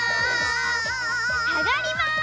さがります。